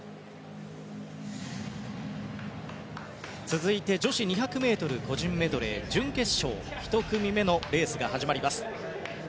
続いて女子２００ｍ個人メドレー準決勝１組目のレースが始まります。